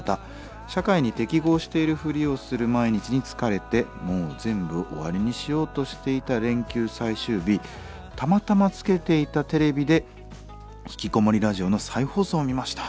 「社会に適合しているふりをする毎日に疲れてもう全部終わりにしようとしていた連休最終日たまたまつけていたテレビで『ひきこもりラジオ』の再放送を見ました」。